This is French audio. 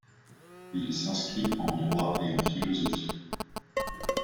Il s'inscrit en droit et en philosophie.